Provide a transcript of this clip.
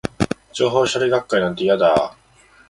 情報処理学会なんて、嫌だー